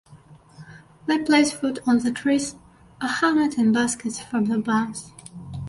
They place food on the trees or hang it in baskets from the boughs.